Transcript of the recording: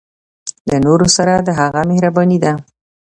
د نورو سره د هغه مهرباني ده.